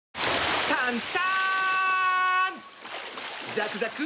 ザクザク！